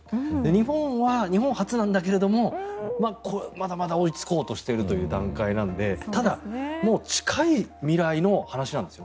日本は、日本発なんだけどもまだまだ追いつこうとしているという段階なのでただ、近い未来の話なんです。